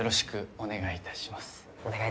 お願いいたします。